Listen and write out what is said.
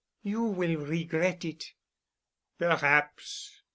"You will regret it." "Perhaps.